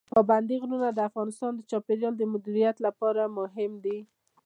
پابندي غرونه د افغانستان د چاپیریال مدیریت لپاره مهم دي.